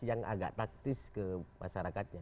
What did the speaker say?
yang agak taktis ke masyarakatnya